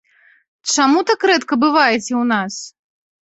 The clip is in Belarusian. Чаму так рэдка бываеце ў нас?